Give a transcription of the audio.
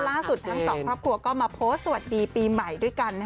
ล่าสุดทั้งสองครอบครัวก็มาโพสต์สวัสดีปีใหม่ด้วยกัน